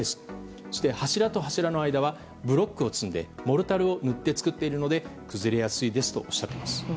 そして柱と柱の間はブロックを積んでモルタルを塗って造っているので崩れやすいですとおっしゃっています。